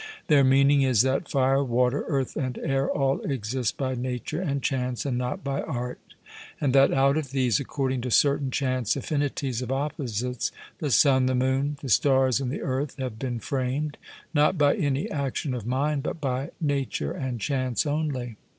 Their meaning is that fire, water, earth, and air all exist by nature and chance, and not by art; and that out of these, according to certain chance affinities of opposites, the sun, the moon, the stars, and the earth have been framed, not by any action of mind, but by nature and chance only.